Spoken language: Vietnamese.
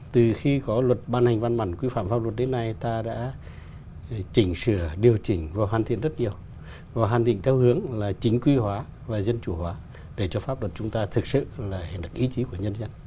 từ khi có luật ban hành văn bản quy phạm pháp luật đến nay ta đã chỉnh sửa điều chỉnh và hoàn thiện rất nhiều và hoàn định theo hướng là chính quy hóa và dân chủ hóa để cho pháp luật chúng ta thực sự là hình được ý chí của nhân dân